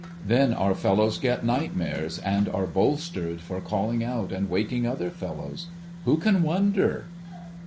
Then our fellows get nightmares, and are bolstered for calling out and waking other fellows, ^^'ho can wonder